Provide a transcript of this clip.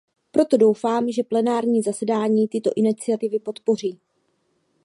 Proto doufám, že plenární zasedání tyto iniciativy podpoří.